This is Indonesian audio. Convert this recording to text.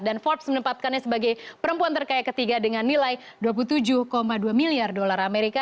dan forbes menempatkannya sebagai perempuan terkaya ketiga dengan nilai dua puluh tujuh dua miliar dolar amerika